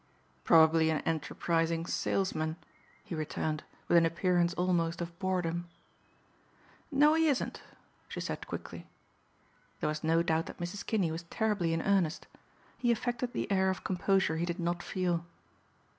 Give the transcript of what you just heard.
"Probably an enterprising salesman," he returned with an appearance almost of boredom. "No, he isn't," she said quickly. There was no doubt that Mrs. Kinney was terribly in earnest. He affected the air of composure he did not feel.